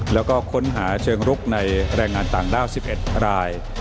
แล้วก็ค้นหาเชิงรุกในแรงงานต่างด้าว๑๑ราย